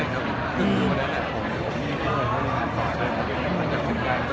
มีผู้หญิงการถ่ายให้